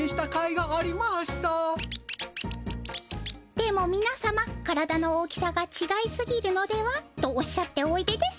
でもみな様体の大きさがちがいすぎるのではとおっしゃっておいでです。